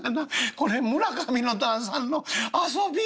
これ村上の旦さんの遊びや」。